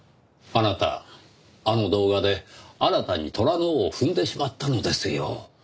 あなたあの動画で新たに虎の尾を踏んでしまったのですよ